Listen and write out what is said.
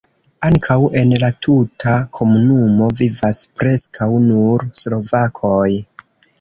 Ankaŭ en la tuta komunumo vivas preskaŭ nur slovakoj.